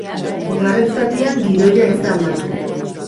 Bigarren zatian, gidoia ez da aldatu.